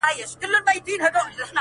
او پای يې خلاص پاتې کيږي تل،